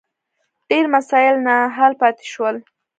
ډېر مسایل نا حل پاتې شول.